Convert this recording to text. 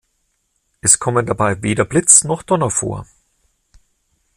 Es kommen dabei weder Blitz noch Donner vor.